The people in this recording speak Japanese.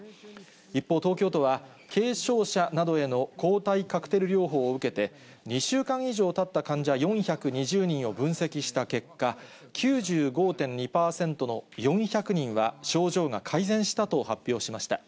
一方、東京都は軽症者などへの抗体カクテル療法を受けて、２週間以上たった患者４２０人を分析した結果、９５．２％の４００人は、症状が改善したと発表しました。